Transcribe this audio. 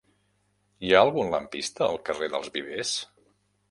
Hi ha algun lampista al carrer dels Vivers?